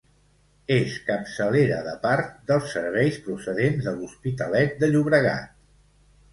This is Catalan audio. És capçalera de part dels serveis procedents de l'Hospitalet de Llobregat.